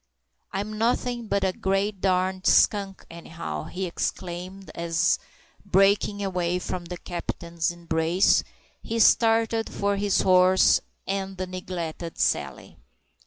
"I'm nothin' but a great darn skunk, any how!" he exclaimed, as, breaking away from the captain's embrace, he started for his horse and the neglected Sally.